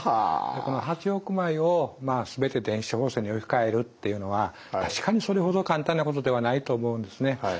この８億枚をすべて電子処方箋に置き換えるっていうのは確かにそれほど簡単なことではないと思うんですね。